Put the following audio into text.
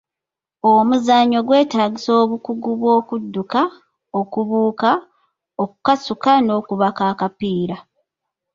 Omuzannyo gwetaagisa obukugu bw'okudduka, okubuuka, okukasuka n’okubaka akapiira.